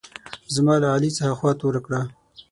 زما له علي څخه خوا توره کړه.